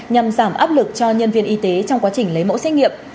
nhằm giảm áp lực cho nhân viên y tế trong quá trình lấy mẫu xét nghiệm